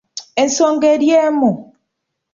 Ensonga eri emu.